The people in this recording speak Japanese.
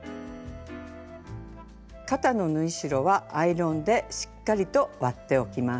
肩の縫い代はアイロンでしっかりと割っておきます。